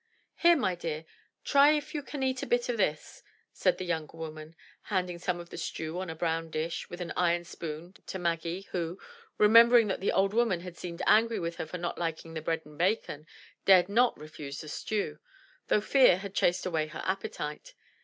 "Here, my dear, try if you can eat a bit o' this," said the younger woman, handing some of the stew on a brown dish with an iron spoon to Maggie, who, remembering that the old woman had seemed angry with her for not liking the bread and bacon, dared not refuse the stew, though fear had chased away her appetite.